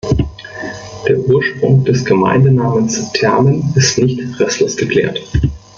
Der Ursprung des Gemeindenamens „Termen“ ist nicht restlos geklärt.